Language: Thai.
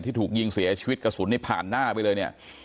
ถูกยิงเสียชีวิตกระสุนนี่ผ่านหน้าไปเลยเนี่ย